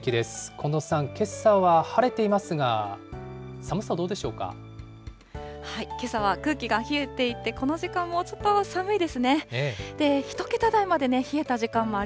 近藤さん、けさは晴れていますが、けさは空気が冷えていて、この時間もちょっと寒いですね。